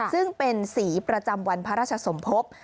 ซึ่งเป็นสีประจำวันพระราชสมภพ